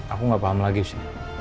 aku nggak paham lagi sih